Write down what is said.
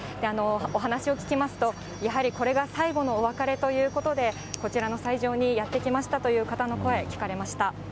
お話を聞きますと、やはりこれが最後のお別れということで、こちらの斎場にやって来ましたという方の声、聞かれました。